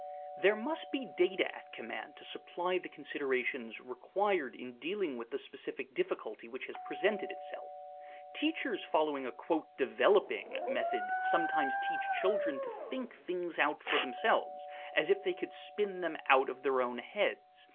There must be data at command to supply the considerations required in dealing with the specific difficulty which has presented itself. Teachers following a "developing" method sometimes tell children to think things out for themselves as if they could spin them out of their own heads.